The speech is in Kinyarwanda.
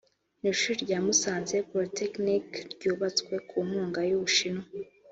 n’ishuri rya Musanze Polytechnic ryubatswe ku nkunga y’Ubushinwa